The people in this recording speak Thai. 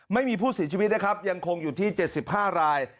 ไม่มีผู้เสียชีวิตนะครับยังคงอยู่ที่๗๕ราย